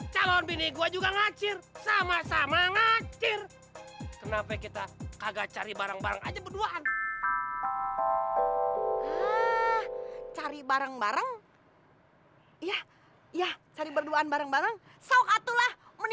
jalan juga sama orangtuaku